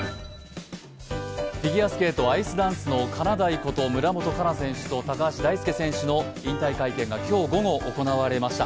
フィギュアスケート、アイスダンスのかなだいこと村元哉中選手と高橋大輔選手の引退会見が今日午後行われました。